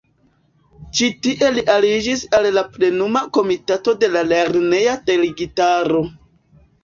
Ĉi tie li aliĝis al la Plenuma Komitato de la lerneja delegitaro.